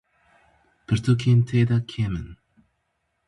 Pirtûkên tê de kêm in.